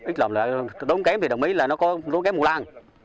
ít lồng là đúng kém thì đồng ý là nó có đúng kém mùa lan